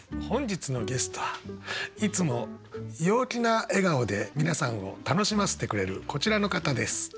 本日のゲストはいつも陽気な笑顔で皆さんを楽しませてくれるこちらの方です。